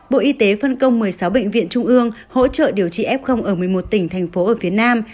bộ y tế phân công một mươi sáu bệnh viện trung ương hỗ trợ điều trị f ở một mươi một tỉnh thành phố ở phía nam